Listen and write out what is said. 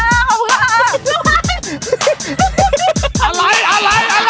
อะไรอะไรอะไร